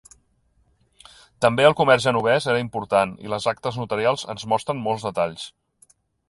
També el comerç genovès era important i les actes notarials en mostren molts detalls.